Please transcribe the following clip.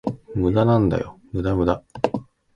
無駄なんだよ、無駄無駄